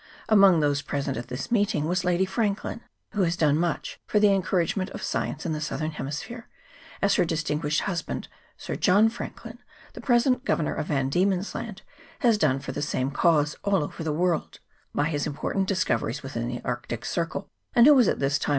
Among those pre sent at this meeting was Lady Franklin, who has done much for the encouragement of science in the southern hemisphere, as her distinguished hus band, Sir John Franklin, the present Governor of Van Diemen's Land, has done for the same cause, all over the world, by his important discoveries within the arctic circle, and who was at this time 302 NATIVE DYES. [PART II.